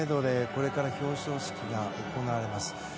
これから表彰式が行われます。